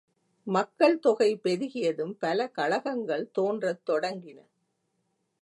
மக்கள் தொகை பெருகியதும் பல கழகங்கள் தோன்றத் தொடங்கின.